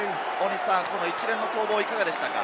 一連の攻防いかがでしたか？